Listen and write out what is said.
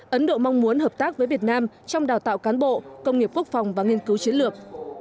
ấn độ mong muốn hợp tác với việt nam trong đào tạo cán bộ công nghiệp quốc phòng và nghiên cứu chiến lược